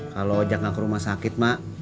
kalau ojek nggak ke rumah sakit mak